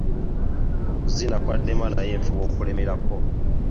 Okuzina kwannema naye nfuba okulemerako.